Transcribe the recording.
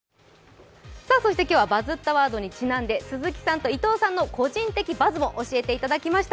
そして今日は「バズったワード」にちなんで鈴木さんと伊藤さんの個人的バズを教えていただきます。